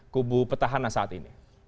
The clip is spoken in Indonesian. kubu petahana saat ini